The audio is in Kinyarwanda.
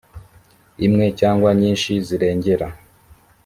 imwe cyangwa nyinshi zirengera